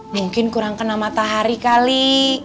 mungkin kurang kena matahari kali